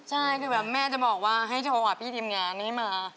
ใช่แม่ก็บอกว่าให้โทรอาพยทีทีมงานมา